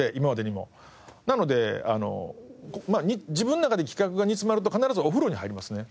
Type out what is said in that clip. なので自分の中で企画が煮詰まると必ずお風呂に入りますね。